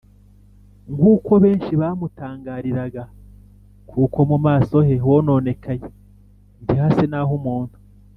” Nkuko benshi bamutangariraga kuko mu maso he hononekaye ntihase n’ah’umuntu